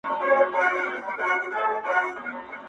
• لکه شمع یم په ورځ کي د لمر مخي ته بلېږم -